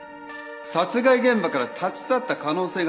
殺害現場から立ち去った可能性が高い